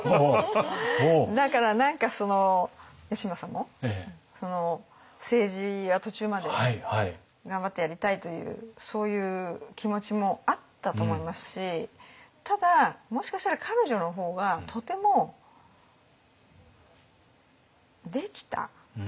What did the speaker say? だから何かその義政も政治は途中まで頑張ってやりたいというそういう気持ちもあったと思いますしただもしかしたら彼女の方がとてもできた。